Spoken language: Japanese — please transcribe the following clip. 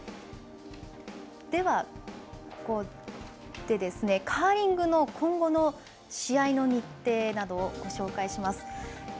では、ここでカーリングの今後の試合の日程などをご紹介します。